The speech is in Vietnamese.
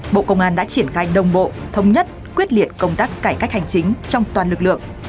bộ công an đã triển khai đồng bộ thống nhất quyết liệt công tác cải cách hành chính trong toàn lực lượng